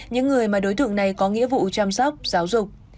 những người mà đối tượng này có nghĩa vụ chăm sóc giáo dục